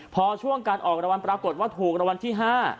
พอช่วงการออกรางวัลปรากฏว่าถูกรางวัลที่๕